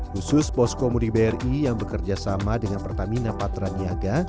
khusus poskomudik bri yang bekerjasama dengan pertamina patraniaga